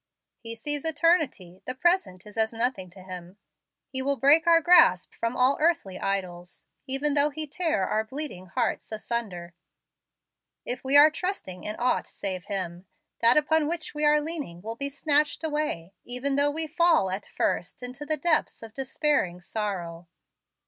He sees eternity; the present is as nothing to Him. He will break our grasp from all earthly idols, even though He tear our bleeding hearts asunder. If we are trusting in aught save Him, that upon which we are leaning will be snatched away, even though we fall at first into the depths of despairing sorrow.